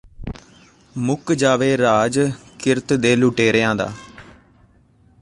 ਮੁੱਕ ਜਾਵੇ ਰਾਜ ਕਿਰਤ ਦੇ ਲੁਟੇਰਿਆਂ ਦਾ